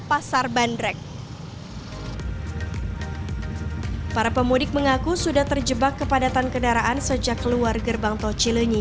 pasar bandrek para pemudik mengaku sudah terjebak kepadatan kendaraan sejak keluar gerbang tol cilenyi